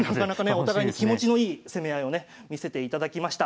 お互いに気持ちのいい攻め合いをね見せていただきました。